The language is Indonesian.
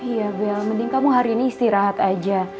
iya bel mending kamu hari ini istirahat aja